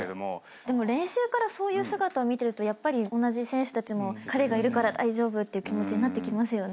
でも練習からそういう姿を見てるとやっぱり同じ選手たちも彼がいるから大丈夫っていう気持ちになってきますよね。